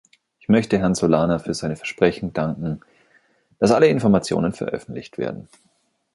Ich möchte Herrn Solana für sein Versprechen danken, dass alle Informationen veröffentlicht werden.